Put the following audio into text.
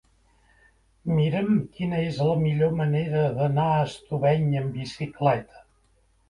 Mira'm quina és la millor manera d'anar a Estubeny amb bicicleta.